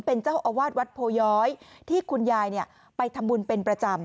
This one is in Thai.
เป็นเจ้าอาวาสวัดโพย้อยที่คุณยายไปทำบุญเป็นประจำ